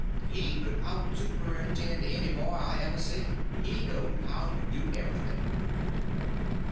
He could out superintend any boy I ever see. He knowed how to do everything.